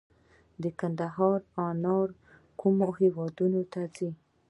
د کندهار انار کومو هیوادونو ته ځي؟